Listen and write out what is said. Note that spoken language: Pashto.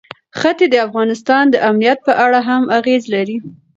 ښتې د افغانستان د امنیت په اړه هم اغېز لري.